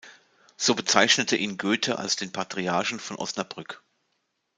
So bezeichnete ihn Goethe als den „Patriarchen von Osnabrück“.